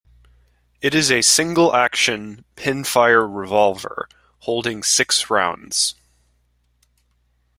It is a single-action, pinfire revolver holding six rounds.